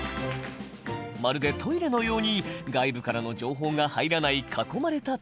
まるでトイレのように外部からの情報が入らない囲まれた机。